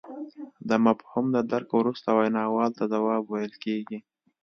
د مفهوم د درک وروسته ویناوال ته ځواب ویل کیږي